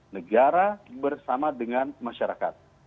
negara bersama dengan masyarakat